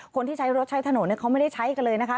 คนที่ใช้รถใช้ถนนเขาไม่ได้ใช้กันเลยนะคะ